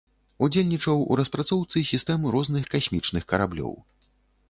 Удзельнічаў у распрацоўцы сістэм розных касмічных караблёў.